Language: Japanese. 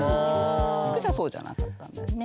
つくしはそうじゃなかったんだよね？